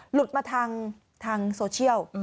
หลุดมาทางโซเชียล